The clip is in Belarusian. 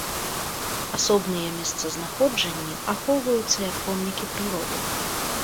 Асобныя месцазнаходжанні ахоўваюцца як помнікі прыроды.